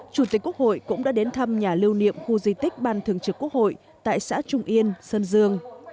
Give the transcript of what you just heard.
chủ tịch quốc hội cũng đã đến thăm nhà lưu niệm khu di tích ban thường trực quốc hội tại xã trung yên sơn dương